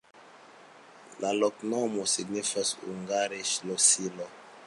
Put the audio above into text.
La loknomo signifas hungare: ŝlosilo.